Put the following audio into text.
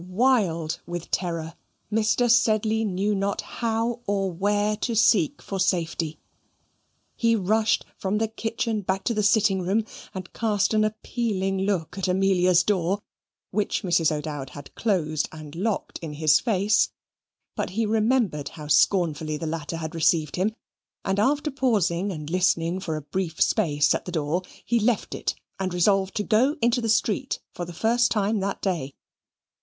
Wild with terror, Mr. Sedley knew not how or where to seek for safety. He rushed from the kitchen back to the sitting room, and cast an appealing look at Amelia's door, which Mrs. O'Dowd had closed and locked in his face; but he remembered how scornfully the latter had received him, and after pausing and listening for a brief space at the door, he left it, and resolved to go into the street, for the first time that day.